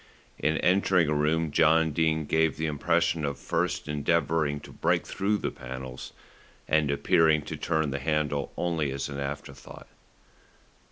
In entering a room John Dene gave the impression of first endeavouring to break through the panels, and appearing to turn the handle only as an afterthought.